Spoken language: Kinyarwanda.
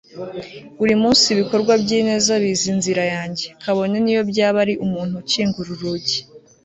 buri munsi, ibikorwa by'ineza biza inzira zanjye, kabone niyo byaba ari umuntu ukingura urugi